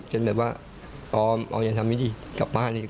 จนแบบว่าออมอ้อมอย่าทำอย่างนี้ดี